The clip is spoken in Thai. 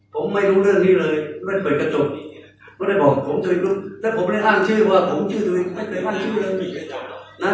ผมไม่รู้เรื่องนี้เลยไม่ได้เปิดกระจกไม่ได้บอกผมถืออีกรุ่นแล้วผมไม่ได้อ้างชื่อว่าผมชื่อดูยังไม่เคยว่างชื่อเรื่องนี้